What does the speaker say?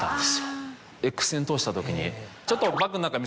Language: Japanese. Ｘ線通した時に。